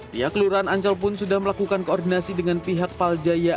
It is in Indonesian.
pihak kelurahan ancol pun sudah melakukan koordinasi dengan pihak paljaya